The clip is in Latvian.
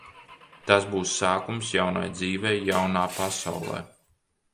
Tas būs sākums jaunai dzīvei jaunā pasaulē.